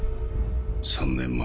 ３年前。